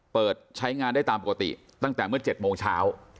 เปิดใช้งานได้ตามปกติตั้งแต่เมื่อ๗โมงเช้า